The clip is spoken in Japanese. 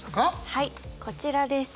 はいこちらです。